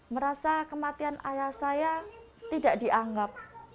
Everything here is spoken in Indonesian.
merasa kematian ayah saya tidak dianggap